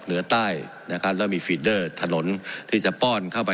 เหนือใต้นะครับแล้วมีฟีดเดอร์ถนนที่จะป้อนเข้าไป